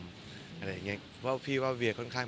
เพราะว่าพี่ว่าเวียค่อนข้าง